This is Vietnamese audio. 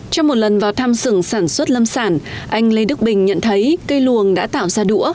trong một lần vào thăm xưởng sản xuất lâm sản anh lê đức bình nhận thấy cây luồng đã tạo ra đũa